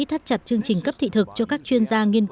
thắt chặt chương trình cấp thị thực cho các chuyên gia